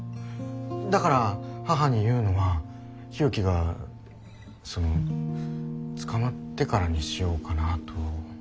だから母に言うのは日置がその捕まってからにしようかなと。